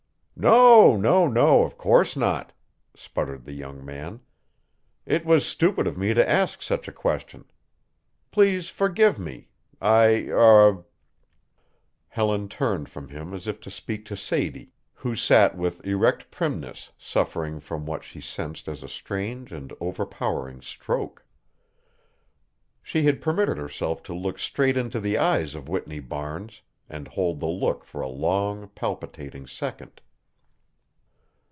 "No, no, no of course not!" sputtered the young man. "It was stupid of me to ask such a question. Please forgive me. I er" Helen turned from him as if to speak to Sadie, who sat with erect primness suffering from what she sensed as a strange and overpowering stroke. She had permitted herself to look straight into the eyes of Whitney Barnes and hold the look for a long, palpitating second.